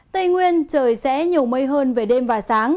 tây nguyên trời sẽ nhiều mây hơn về đêm và sáng